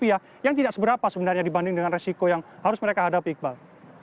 dan itu adalah hal yang tidak seberapa sebenarnya dibandingkan dengan resiko yang harus mereka hadapi iqbal